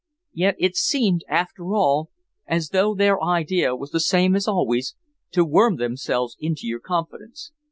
Yet it seemed, after all, as though their idea was the same as always, to worm themselves into your confidence.